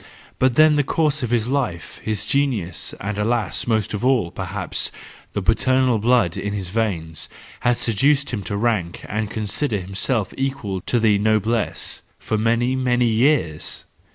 But then the course of his life, his genius, and alas ! most of all, perhaps, the paternal blood in his veins, had seduced him to rank and consider himself equal to the noblesse — for many, many years!